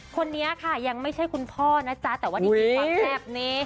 คนนี้ค่ะยังไม่ใช่คุณพ่อนะจ๊ะแต่ว่านี่คือความแซ่บนี้